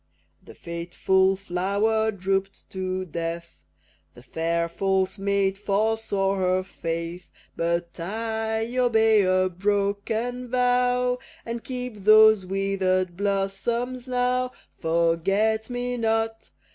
The fateful flower droop'd to death, The fair, false maid forswore her faith; But I obey a broken vow, And keep those wither'd blossoms now! Forget me not!